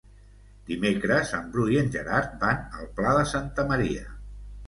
Dimecres en Bru i en Gerard van al Pla de Santa Maria.